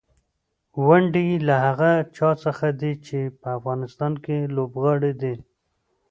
ونډې یې له هغه چا څخه دي چې په افغانستان کې لوبغاړي دي.